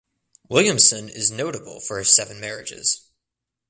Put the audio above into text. Williamson is notable for his seven marriages.